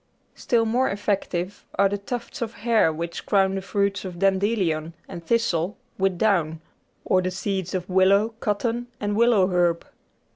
Still more effective are the tufts of hair which crown the fruits of dandelion and thistle with down, or the seeds of willow, cotton, and willow herb.